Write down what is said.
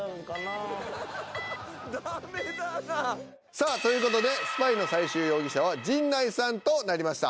さあという事でスパイの最終容疑者は陣内さんとなりました。